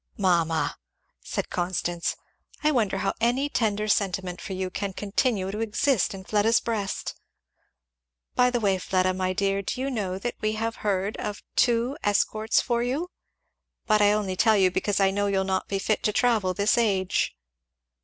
"Mamma," said Constance, "I wonder how any tender sentiment for you can continue to exist in Fleda's breast! By the way, Fleda, my dear, do you know that we have heard of two escorts for you? but I only tell you because I know you'll not be fit to travel this age."